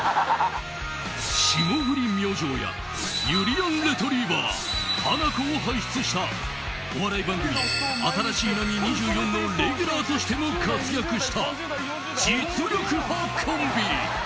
霜降り明星やゆりやんレトリィバァハナコを輩出したお笑い番組「新しい波２４」のレギュラーとしても活躍した実力派コンビ。